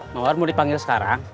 mauan mau dipanggil sekarang